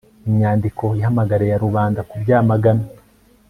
inyandiko ihamagarira rubanda kubyamagana